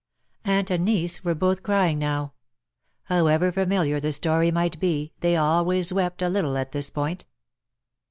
Aunt and niece were both crying now. However familiar the story might be_, they always wept a little at this point.